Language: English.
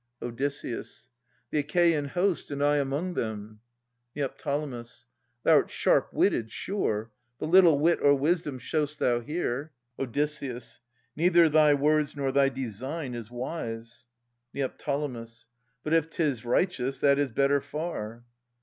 Od. The Achaean host, And I among them. Neo. Thou'rt sharp witted, sure ! But little wit or wisdom show'st thou here. Od. Neither thy words nor thy design is wise. Neo. But if 'tis righteous, that is better far.